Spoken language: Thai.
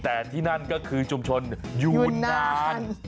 แต่ที่นั่นก็คือชุมชนอยู่นาน